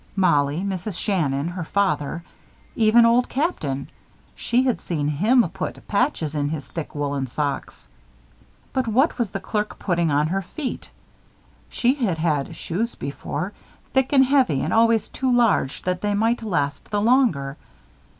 Mollie, Mrs. Shannon, her father even Old Captain. She had seen him put great patches in his thick woolen socks. But what was the clerk putting on her feet! She had had shoes before. Thick and heavy and always too large that they might last the longer.